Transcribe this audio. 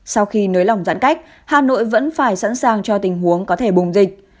sau khi nới lỏng giãn cách hà nội vẫn phải sẵn sàng cho tình huống có thể bùng dịch